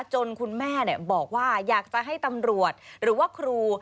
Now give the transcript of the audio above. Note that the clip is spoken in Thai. คุณแม่บอกว่าอยากจะให้ตำรวจหรือว่าครู